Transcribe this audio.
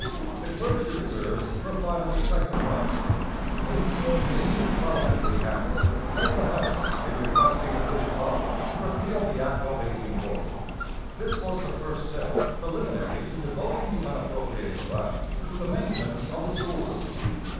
The Clergy Reserves were finally secularized. Hincks, the astute parliamentary hand, led the House in requesting the British parliament to repeal the Act of 1840. This was the first step, preliminary to devoting the unappropriated land to the maintenance of the school system.